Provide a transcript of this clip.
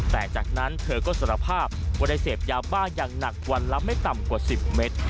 แต่จากนั้นเธอก็สารภาพว่าได้เสพยาบ้าอย่างหนักวันละไม่ต่ำกว่า๑๐เมตร